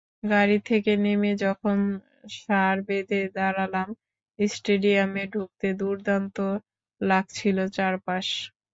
গাড়ি থেকে নেমে যখন সার বেঁধে দাঁড়ালাম স্টেডিয়ামে ঢুকতে, দুর্দান্ত লাগছিল চারপাশ।